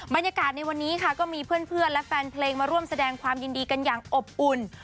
บรรยากาศในวันนี้ค่ะก็มีเพื่อนและแฟนเพลงมาร่วมแสดงความยินดีกันอย่างอบอุ่น